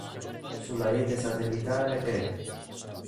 Sulla rete satellitare E!